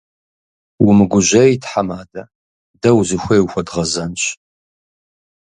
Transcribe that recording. Умыгужьей, тхьэмадэ, дэ узыхуей ухуэдгъэзэнщ.